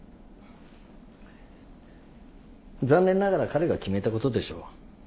残念ながら彼が決めたことでしょう。